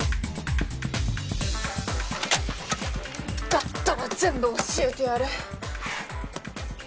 だったら全部教えてやる！